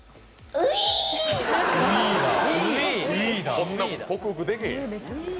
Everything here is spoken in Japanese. こんなもん、克服でけへん。